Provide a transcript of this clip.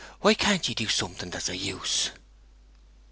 Why can't ye do something that's of use?'